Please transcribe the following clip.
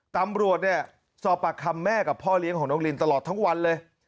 ตำรวจเนี่ยสอบปากคำแม่กับพ่อเลี้ยงของน้องลินตลอดทั้งวันเลย